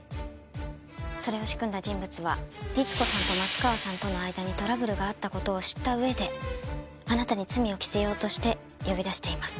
それを仕組んだ人物は律子さんと松川さんとの間にトラブルがあった事を知った上であなたに罪を着せようとして呼び出しています。